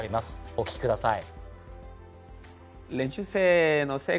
お聞きください。